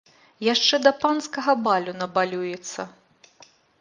Яшчэ да панскага балю набалюецца!